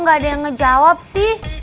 gak ada yang ngejawab sih